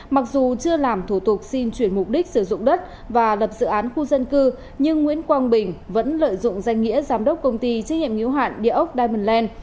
mặc dù chưa làm thủ tục xin chuyển mục đích sử dụng đất và lập dự án khu dân cư nhưng nguyễn quang bình vẫn lợi dụng danh nghĩa giám đốc công ty trách nhiệm hiếu hạn địa ốc diamonland